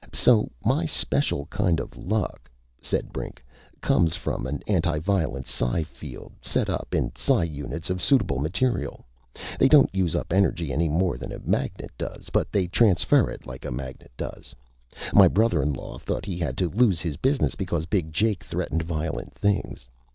"So my special kind of luck," said Brink, "comes from antiviolence psi fields, set up in psi units of suitable material. They don't use up energy any more than a magnet does. But they transfer it, like a magnet does. My brother in law thought he had to lose his business because Big Jake threatened violent things.